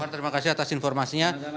terima kasih atas informasinya